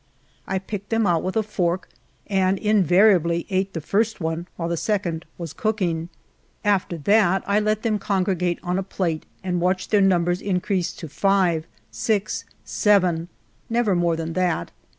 I picked them out with a fork, and invariably ate the iirst one while the second was cooking. After that 1 let them congregate on a plate, and watched their numbers in crease to iive, six, seven — never more than that.